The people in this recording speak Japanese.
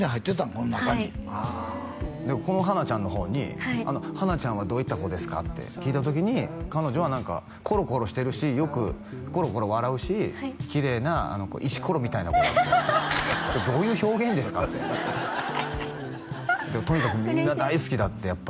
こん中にあでこのハナちゃんのほうに「花ちゃんはどういった子ですか？」って聞いた時に彼女は何かコロコロしてるしよくコロコロ笑うし綺麗なあの子石ころみたいな子だってどういう表現ですかってとにかくみんな大好きだって嬉しい